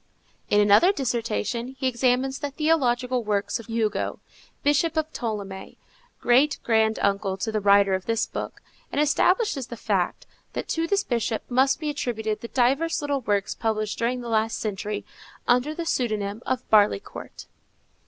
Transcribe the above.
In another dissertation, he examines the theological works of Hugo, Bishop of Ptolemaïs, great grand uncle to the writer of this book, and establishes the fact, that to this bishop must be attributed the divers little works published during the last century, under the pseudonym of Barleycourt.